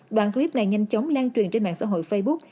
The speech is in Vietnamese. đoạn clip này nhanh chóng lan truyền trên mạng xã hội facebook